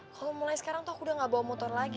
kalau mulai sekarang tuh aku udah gak bawa motor lagi